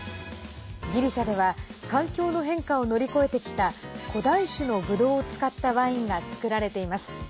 ギリシャでは環境の変化を乗り越えてきた古代種のブドウを使ったワインが造られています。